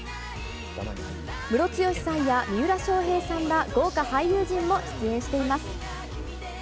ムロツヨシさんや三浦翔平さんら豪華俳優陣も出演しています。